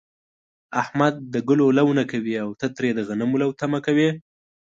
احمد د گلو لو نه کوي، او ته ترې د غنمو لو تمه کوې.